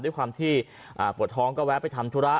ด้วยความที่ปวดท้องก็แวะไปทำธุระ